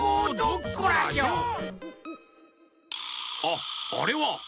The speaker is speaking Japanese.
あっあれは！